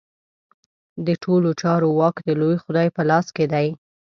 د ټولو چارو واک د لوی خدای په لاس کې دی.